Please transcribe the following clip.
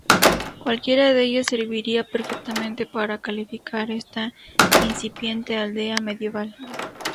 Cualquiera de ellas serviría perfectamente para calificar esta incipiente aldea medieval.